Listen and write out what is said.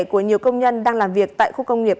của nhiều công nhân đang làm việc tại khu công nghiệp